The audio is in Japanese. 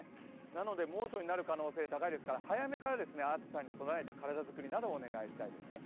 なので猛暑になる可能性、高いですから早めに暑さに備えた体作りをお願いしたいですね。